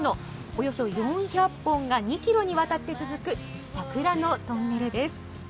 およそ４００本が２ｋｍにわたって続く、桜のトンネルです。